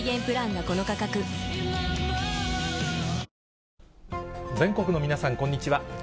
これもう、全国の皆さん、こんにちは。